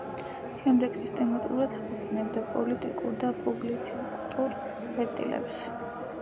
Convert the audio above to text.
შემდეგში სისტემატურად აქვეყნებდა პოლემიკურ და პუბლიცისტურ წერილებს.